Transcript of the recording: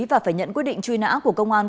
và phải nhận quyết định truy nã của công an